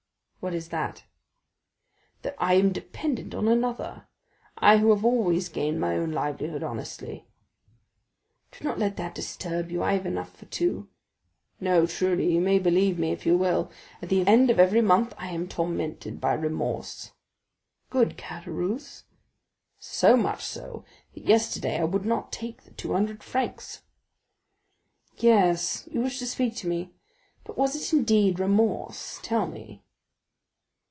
"What is that?" "That I am dependent on another, I who have always gained my own livelihood honestly." "Do not let that disturb you, I have enough for two." "No, truly; you may believe me if you will; at the end of every month I am tormented by remorse." "Good Caderousse!" "So much so, that yesterday I would not take the two hundred francs." "Yes, you wished to speak to me; but was it indeed remorse, tell me?"